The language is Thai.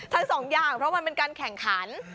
ทั้งสองอย่างเพราะมันเป็นการแข่งขัน